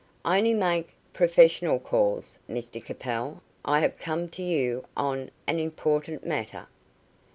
"I only make professional calls, Mr Capel, I have come to you on an important matter."